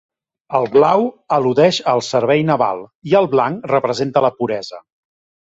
El blau al·ludeix al servei naval, i el blanc representa la puresa.